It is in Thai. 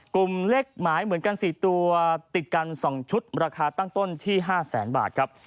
กลุ่มเลขหมายเหมือนกัน๔ตัวติดกัน๒ชุดราคาตั้งต้นที่๕แสนบาทครับ